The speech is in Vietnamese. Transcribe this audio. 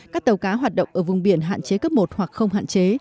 các tàu cá hoạt động ở vùng biển hạn chế cấp một hoặc không hạn chế